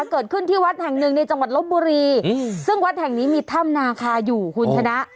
เกิดขึ้นที่วัดแห่งหนึ่งในจังหวัดลบบุรีซึ่งวัดแห่งนี้มีถ้ำนาคาอยู่คุณชนะ